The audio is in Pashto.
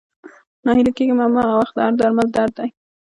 ناهيلی کيږه مه ، وخت د هر درد درمل لري